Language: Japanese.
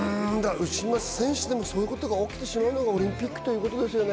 内村選手でもそういうことが起きてしまうのがオリンピックですよね。